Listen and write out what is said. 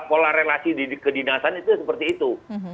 pola relasi di kedinasan itu seperti itu